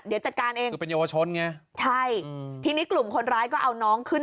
เดี๋ยวจัดการเองคือเป็นเยาวชนไงใช่ทีนี้กลุ่มคนร้ายก็เอาน้องขึ้น